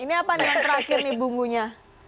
ini apa nih yang terakhir nih bungunya